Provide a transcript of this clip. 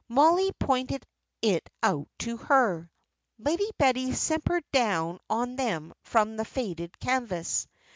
Mollie pointed it out to her. Lady Betty simpered down on them from the faded canvas.